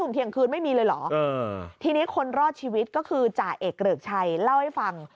ทีนี้คนรอดชีวิตก็คือจ่าเอกเหรอิกชัยเล่าให้ฟัง